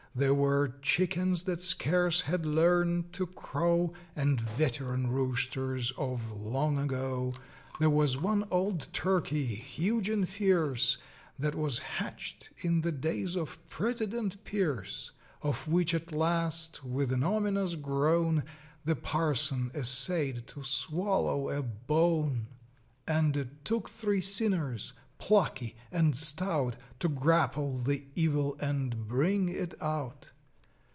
There were chickens that scarce had learned to crow, And veteran roosters of long ago; There was one old turkey, huge and fierce, That was hatched in the days of President Pierce; Of which, at last, with an ominous groan, The parson essayed to swallow a bone; And it took three sinners, plucky and stout, To grapple the evil and bring it out.